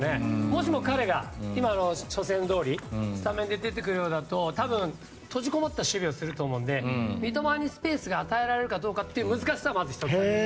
もしも彼が今の初戦どおりスタメンで出てくる感じだと多分、閉じこもった守備をすると思うので三笘にスペースが与えらえるかどうかという難しさも１つ。